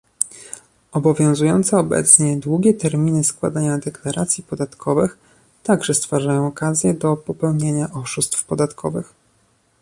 Obowiązujące obecnie długie terminy składania deklaracji podatkowych także stwarzają okazje do popełniania oszustw podatkowych